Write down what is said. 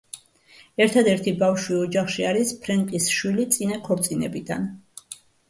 ერთადერთი ბავშვი ოჯახში არის ფრენკის შვილი წინა ქორწინებიდან.